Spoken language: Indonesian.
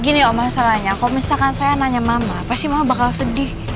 gini loh masalahnya kalau misalkan saya nanya mama pasti mama bakal sedih